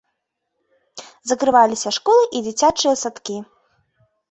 Закрываліся школы і дзіцячыя садкі.